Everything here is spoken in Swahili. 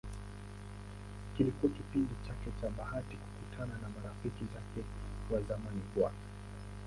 Kilikuwa kipindi chake cha bahati kukutana na marafiki zake wa zamani Bw.